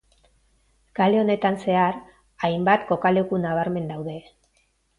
Kale honetan zehar hainbat kokaleku nabarmen daude.